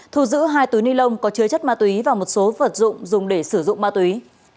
thu giữ hai túi ni lông có chứa chất ma túy và một số vật dụng dùng để sử dụng ma túy